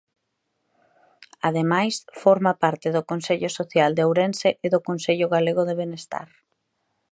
Ademais, forma parte do Consello Social de Ourense e do Consello Galego de Benestar.